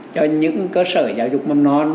cho những cơ sở giáo dục mầm non